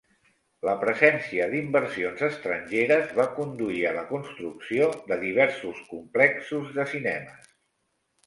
La presència d'inversions estrangeres va conduir a la construcció de diversos complexos de cinemes.